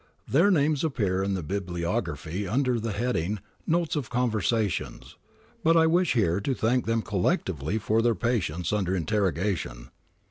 Their names appear in the Bibliography under the heading, Notes of Conversations, but I wish here to thank them collectively for their patience under interrogation.